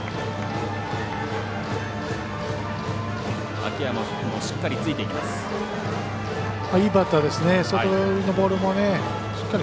秋山もしっかりついていきます。